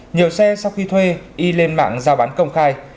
nhiều xe sau khi thuê y lên mạng giao bán công khai